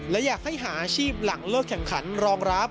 และอยากให้หาอาชีพหลังเลิกแข่งขันรองรับ